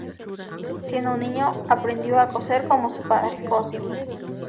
Siendo un niño, aprendió a coser como su padre, Cosimo.